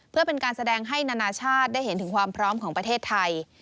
เพื่อเป็นการแสดงให้นานาชาติได้เห็นถึงความพร้อมของประเทศไทย